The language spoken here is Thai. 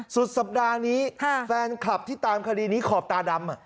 สุดสัปดาห์นี้แฟนคลับที่ตามคดีนี้ขอบตาดำ